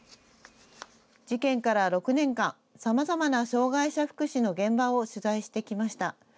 事件から６年間、さまざまな障害者福祉の現場を取材してきました。